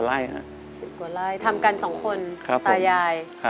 ๑๐ตัวรายทำกันสองคนตายาย